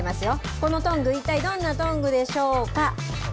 このトング、一体どんなトングでしょうか？